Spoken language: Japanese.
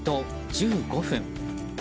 １５分。